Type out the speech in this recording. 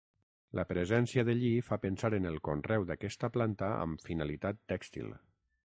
La presència de lli fa pensar en el conreu d'aquesta planta amb finalitat tèxtil.